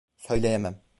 Söyleyemem.